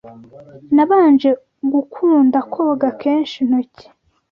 Nabanje gukunda koga kenshi intoki